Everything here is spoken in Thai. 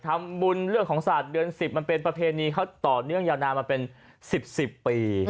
เรื่องของศาสตร์เดือน๑๐มันเป็นประเพณีเขาต่อเนื่องยาวนานมาเป็น๑๐๑๐ปี